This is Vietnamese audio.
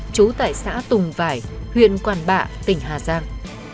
trú tại xã tùng vải huyện quản bạ tỉnh hà giang